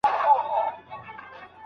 نوي اصول د پوهنتون لخوا پلي کېږي.